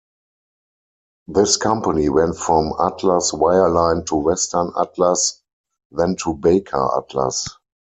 This company went from Atlas Wireline to Western Atlas then to Baker Atlas.